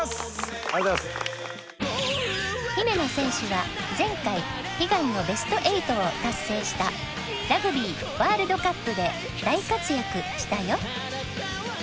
ありがとうございます姫野選手は前回悲願のベスト８を達成したラグビーワールドカップで大活躍したよ